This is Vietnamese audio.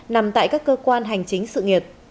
nằm tại các cơ quan hành chính sự nghiệp